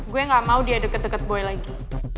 gue gak mau dia deket deket buaya lagi